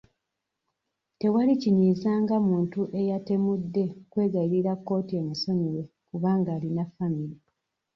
Tewali kinyiiza nga muntu eyatemudde kwegayirira kkooti emusonyiwe kubanga alina famire.